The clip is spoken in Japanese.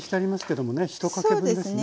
１かけ分ですね。